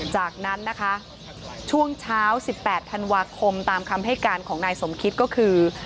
จากนั้นนะคะช่วงเช้า๑๘ธันวาคมตามคำให้การของนายสมคิดก็คือ